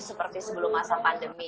seperti sebelum masa pandemi